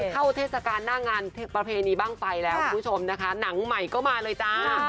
เทศกาลหน้างานประเพณีบ้างไฟแล้วคุณผู้ชมนะคะหนังใหม่ก็มาเลยจ้า